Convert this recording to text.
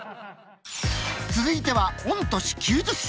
続いては御年９０歳。